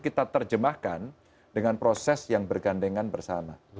kita terjemahkan dengan proses yang bergandengan bersama